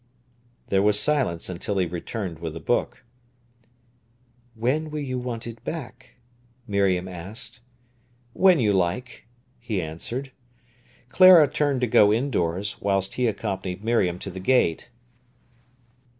There was silence until he returned with the book. "When will you want it back?" Miriam asked. "When you like," he answered. Clara turned to go indoors, whilst he accompanied Miriam to the gate.